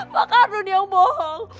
pak arun yang bohong